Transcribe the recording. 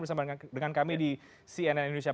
bersama dengan kami di cnn indonesia